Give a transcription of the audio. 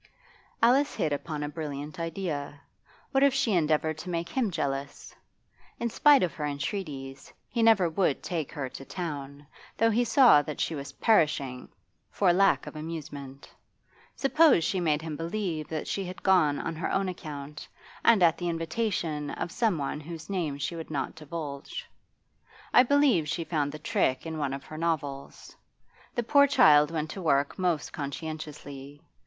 Alice hit upon a brilliant idea. What if she endeavoured to make him jealous? In spite of her entreaties, he never would take her to town, though he saw that she was perishing for lack of amusement. Suppose she made him believe that she had gone on her own account, and at the invitation of someone whose name she would not divulge? I believe she found the trick in one of her novels. The poor child went to work most conscientiously.